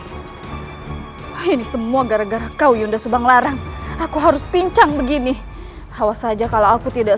ini semua gara gara kau yunda subang larang aku harus pincang begini hawa saja kalau aku tidak